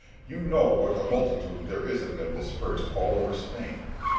You know what a multitude there is of them dispersed all over Spain.